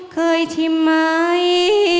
เคยชิมไหม